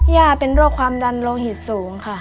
ย่าเป็นโรคความดันโลหิตสูงค่ะ